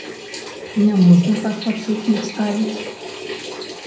Не можна так падшыпнік ставіць.